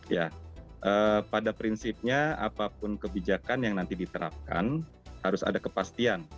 ya pada prinsipnya apapun kebijakan yang nanti diterapkan harus ada kepastian